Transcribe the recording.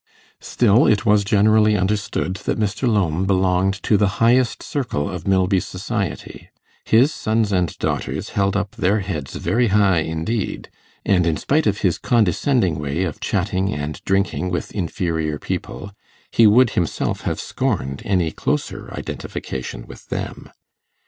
Still, it was generally understood that Mr. Lowme belonged to the highest circle of Milby society; his sons and daughters held up their heads very high indeed; and in spite of his condescending way of chatting and drinking with inferior people, he would himself have scorned any closer identification with them.